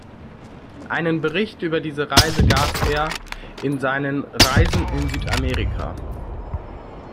Einen Bericht über diese Reise gab er in seinen "Reisen in Südamerika".